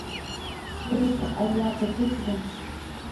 puruksa allaapa puchqun.